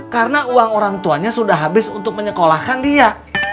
karena uang orang tuanya sudah habis untuk menekolahkan dia